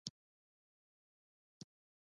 د اوبو زېرمه د وچکالۍ پر ضد یو مهم اقدام دی.